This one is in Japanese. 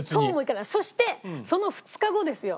そしてその２日後ですよ！